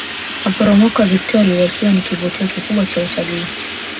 Maporomoko ya Viktoria yakiwa ni kivutio kikubwa cha utalii